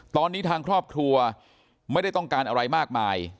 ตอนนี้ทางครอบครัวไม่ได้ต้องการอะไรมากมาย